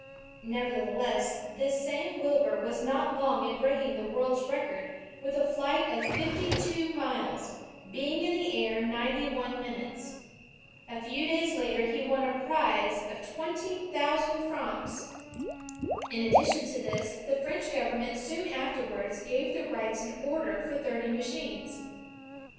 Nevertheless, this same Wilbur was not long in breaking the world's record, with a flight of fifty two miles, being in the air ninety one minutes. A few days later he won a prize of twenty thousand 26o OTHER FAMOUS INVENTORS OF TO DAY francs. In addition to this, the French government soon afterwards gave the Wrights an order for thirty machines.